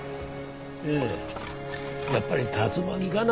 ええやっぱり竜巻がな。